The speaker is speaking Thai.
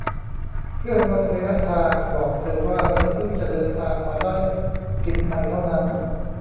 เครื่องวัดระยะทางบอกเธอว่าเธอพึ่งจะเดินทางมาได้สิบไมล์เท่านั้น